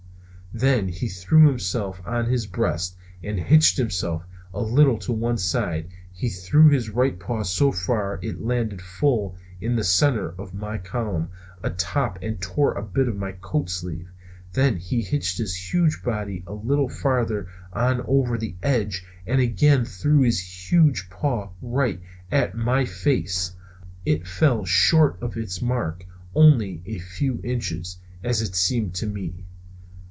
Then he threw himself on his breast, and hitching himself a little to one side, he threw his right paw so far that it landed full in the center of my column's top and tore a bit of my coat sleeve. Then he hitched his huge body a little farther on over the edge and again threw his huge paw right at my face. It fell short of its mark only a few inches, as it seemed to me.